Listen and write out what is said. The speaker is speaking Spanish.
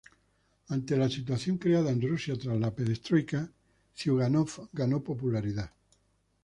Ante la situación creada en Rusia tras la "perestroika", Ziugánov ganó popularidad.